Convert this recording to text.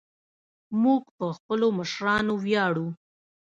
موږ په خپلو مشرانو ویاړو